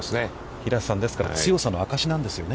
平瀬さん、強さの証しなんですよね。